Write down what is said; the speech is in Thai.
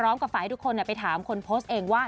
พร้อมกับฝ่าให้ทุกคนไปถามคนโพสต์เองว่า